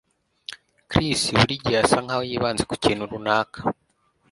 Chris buri gihe asa nkaho yibanze kukintu runaka